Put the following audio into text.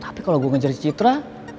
tapi kalau gue ngejarin si citra